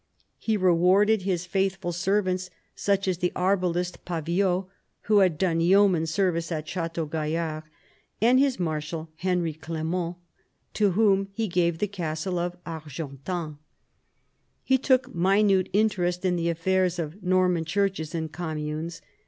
He rewarded his faithful servants, such as the arbalist Paviot, who had done yeoman service at Chateau Graillard, and his marshal Henry Clement, to whom he gave the castle of Argentan. He took minute interest in the affairs of Norman churches and communes.